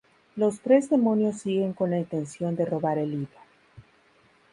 Los tres demonios siguen con la intención de robar el libro.